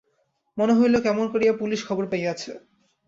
মনে হইল, কেমন করিয়া পুলিস খবর পাইয়াছে।